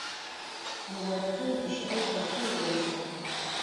Мы орэдым гущыӏэу хэлъхэр о ошӏа?